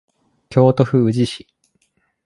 京都府宇治市